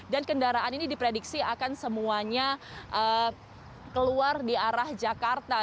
dan kendaraan ini diprediksi akan semuanya keluar di arah jakarta